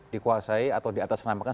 dikuasai atau diatasnamakan